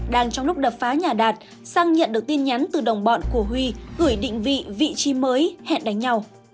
đang trong lúc đập phá nhà đạt sang nhận được tin nhắn từ đồng bọn của huy gửi định vị vị trí mới hẹn đánh nhau